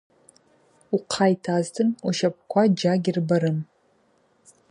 Ухъа йтазтын, ущапӏква джьа гьырбарым.